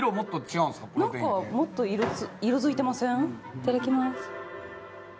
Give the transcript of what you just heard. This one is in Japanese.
いただきます。